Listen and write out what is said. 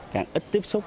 càng ít tiếp xúc